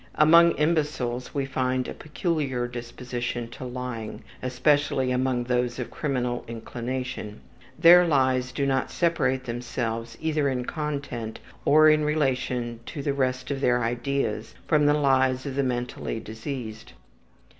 Among imbeciles we find a peculiar disposition to lying, especially among those of criminal inclination. Their lies do not separate themselves either in content or in relation to the rest of their ideas from the lies of the mentally diseased.